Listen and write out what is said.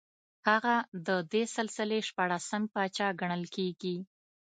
هغه د دې سلسلې شپاړسم پاچا ګڼل کېږي